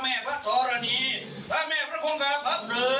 อุ้มพระพุทธพรุทธแตรูกัลอีกทั้งนักพฟฏนักสิทธิเวทยาทนอีกทั้งคราแมพัทธรรณี